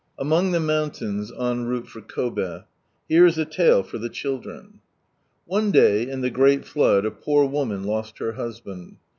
Among Ihe numnlains en rvtiit for Kobi, — Here is a tale for the childmi. One day, in (he great flood, a poor woman lost her husband.